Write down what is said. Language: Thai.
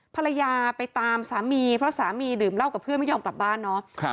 ภรรยาไปตามสามีเพราะสามีดื่มเหล้ากับเพื่อนไม่ยอมกลับบ้านเนาะ